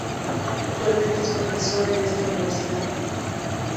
Actualmente es profesor en esta universidad.